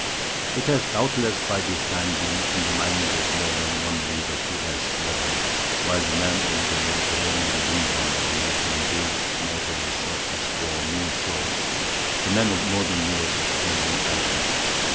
It has doubtless by this time been in the mind of more than one reader to ask whether, while the men of the Mediterranean region were making these notable searchings for new shores, the men of northern Europe were standing idle.